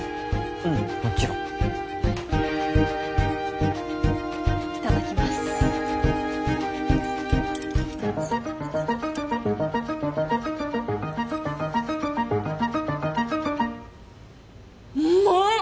うんもちろんいただきますうまっ！